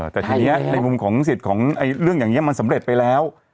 แต่ทีนี้ในมุมของสิทธิ์ของเรื่องอย่างนี้มันสำเร็จไปแล้ว